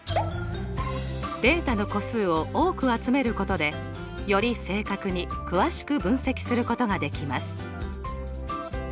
データの個数を多く集めることでより正確に詳しく分析することができます。